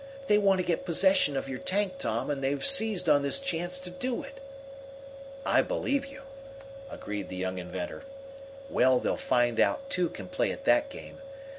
They want to get possession of your tank, Tom, and they've seized on this chance to do it." "I believe you," agreed the young inventor. "Well, they'll find that two can play at that game.